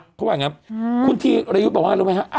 เพราะว่าอย่างนี้คุณธิริยุทธิ์บอกว่าอะไรรู้ไหมครับ